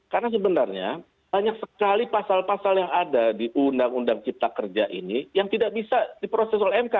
karena sebenarnya banyak sekali pasal pasal yang ada di undang undang cipta kerja ini yang tidak bisa diproses oleh mk